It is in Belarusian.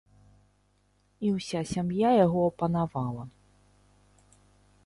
І ўся сям'я яго апанавала.